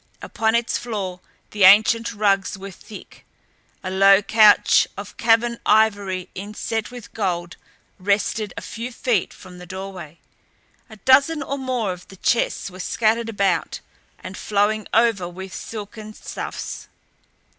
Upon its floor the ancient rugs were thick. A low couch of carven ivory inset with gold rested a few feet from the doorway. A dozen or more of the chests were scattered about and flowing over with silken stuffs.